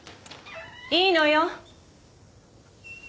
いいのよ。